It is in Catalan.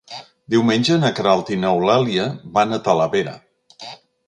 Diumenge na Queralt i n'Eulàlia van a Talavera.